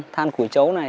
than củi chấu này